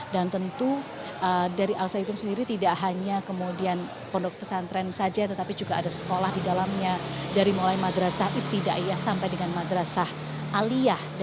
dan tentu dari al zaitun sendiri tidak hanya kemudian pondok pesantren saja tetapi juga ada sekolah di dalamnya dari mulai madrasah ibtidaiyah sampai dengan madrasah aliyah